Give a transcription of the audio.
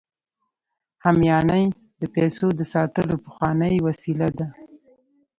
همیانۍ د پیسو د ساتلو پخوانۍ وسیله ده